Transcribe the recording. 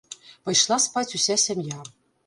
Пайшла спаць уся сям'я.